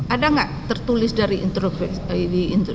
ada gak tertulis dari instruksi